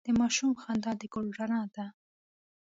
د ماشوم خندا د کور رڼا ده.